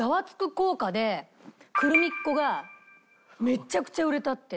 効果でクルミッ子がめちゃくちゃ売れたって。